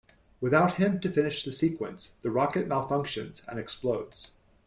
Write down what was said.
Without him to finish the sequence, the rocket malfunctions and explodes.